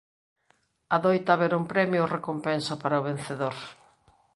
Adoita haber un premio ou recompensa para o vencedor.